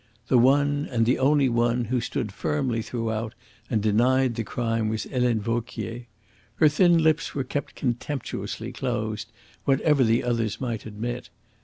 The one, and the only one, who stood firmly throughout and denied the crime was Helene Vauquier. Her thin lips were kept contemptuously closed, whatever the others might admit.